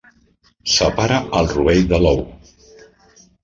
Separa el rovell de l'ou.